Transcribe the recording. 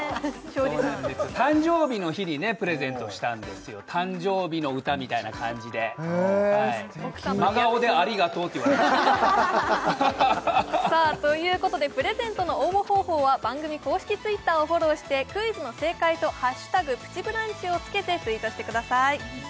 誕生日の日にねプレゼントしたんですよ誕生日の歌みたいな感じでへえ素敵真顔で「ありがとう」って言われましたさあということでプレゼントの応募方法は番組公式Ｔｗｉｔｔｅｒをフォローしてクイズの正解と「＃プチブランチ」をつけてツイートしてください